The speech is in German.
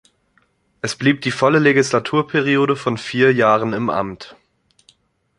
Es blieb die volle Legislaturperiode von vier Jahren im Amt.